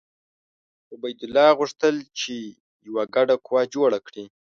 عبیدالله غوښتل چې یوه ګډه قوه جوړه کړي.